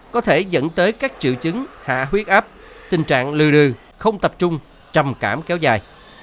có thể dẫn tới các triệu chứng hạ huyết áp tình trạng lừa rư không tập trung trầm cảm kéo dài